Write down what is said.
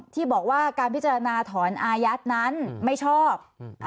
ที่บอกว่าการพิจารณาถอนอายัดนั้นไม่ชอบ